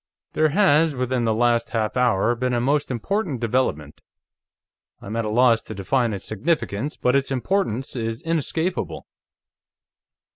"There has, within the last half hour, been a most important development. I am at a loss to define its significance, but its importance is inescapable."